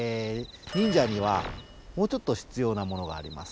忍者にはもうちょっとひつようなものがあります。